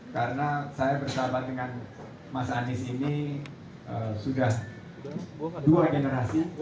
karena saya bersahabat dengan mas anies ini sudah dua generasi